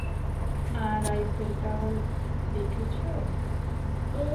আর Eiffel tower দেখেছ?